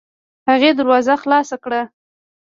هغې دروازه خلاصه کړه.